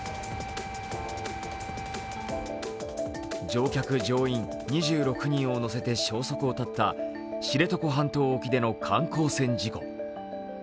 乗客・乗員２６人を乗せて消息を絶った知床半島沖での観光船事故。